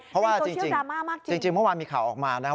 ในโซเชียลดราม่ามากจริงจริงเมื่อวานมีข่าวออกมานะ